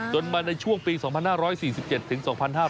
มาในช่วงปี๒๕๔๗ถึง๒๕๕๙